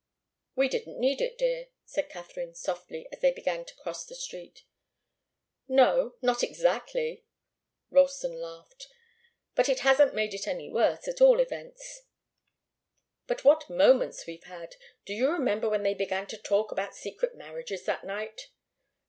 "We didn't need it, dear," said Katharine, softly, as they began to cross the street. "No not exactly." Ralston laughed. "But it hasn't made it any worse, at all events. But what moments we've had. Do you remember when they began to talk about secret marriages that night?"